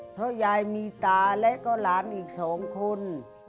เพราะยายมีตาและก็หลานอีก๒คน